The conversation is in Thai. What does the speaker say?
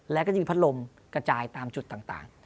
แล้วก็จะมีพัดลมกระจายตามจุดต่าง